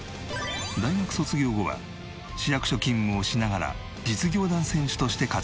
大学卒業後は市役所勤務をしながら実業団選手として活躍。